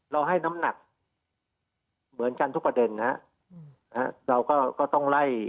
ให้น้ำหนักเหมือนกันทุกประเด็นนะฮะเราก็ก็ต้องไล่